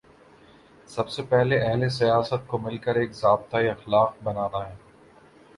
سب سے پہلے اہل سیاست کو مل کر ایک ضابطۂ اخلاق بنانا ہے۔